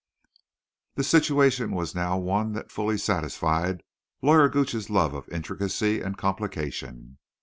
The situation was now one that fully satisfied Lawyer Gooch's love of intricacy and complication.